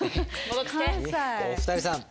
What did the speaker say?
お二人さん